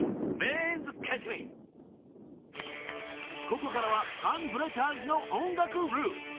［ここからはハンブレッダーズの音楽ルーツ］